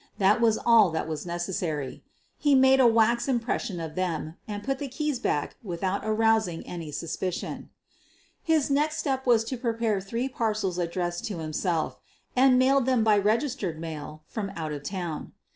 That was all that was necessary. He made a wax impression of them and put the keys back without arousing any suspicion. His next step was to prepare three parcels ad dressed to himself, and mailed them by registered mail from out of town.